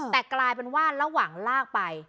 แต่กลายเป็นว่าระหว่างลากไป